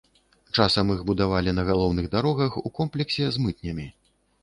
Часам іх будавалі на галоўных дарогах у комплексе з мытнямі.